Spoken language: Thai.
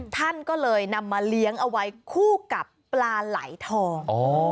ท่านก็เลยนำมาเลี้ยงเอาไว้คู่กับปลาไหลทอง